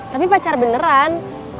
tapi pacar beneran